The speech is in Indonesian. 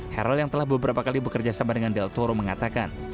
harrell yang telah beberapa kali bekerja sama dengan del toro mengatakan